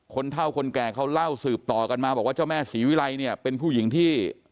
เท่าคนแก่เขาเล่าสืบต่อกันมาบอกว่าเจ้าแม่ศรีวิรัยเนี่ยเป็นผู้หญิงที่